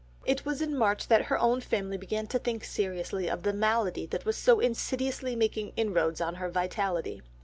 It was in March that her own family began to think seriously of the malady that was so insidiously making inroads on her vitality.